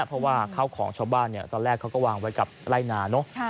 เพราะว่าข้าวของชาวบ้านตอนแรกเขาก็วางไว้กับไล่นาเนอะ